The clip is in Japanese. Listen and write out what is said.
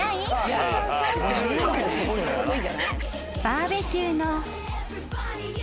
［バーベキューの］